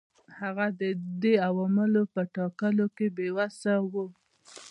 هغه د دې عواملو په ټاکلو کې بې وسه و.